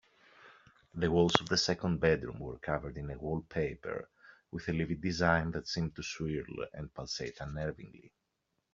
The walls of the second bedroom were covered in a wallpaper with a livid design that seemed to swirl and pulsate unnervingly.